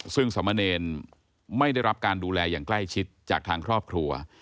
ซึ่งสมเนรไม่ได้รับการดูแลอย่างใกล้ชิดจากทางครอบครัว